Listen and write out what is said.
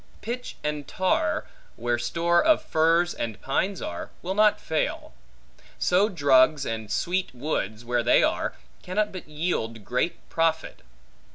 Pitch and tar, where store of firs and pines are, will not fail. So drugs and sweet woods, where they are, cannot but yield great profit.